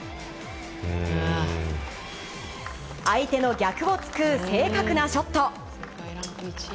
相手の逆を突く正確なショット。